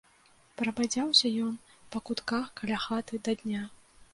Прабадзяўся ён па кутках каля хаты да дня.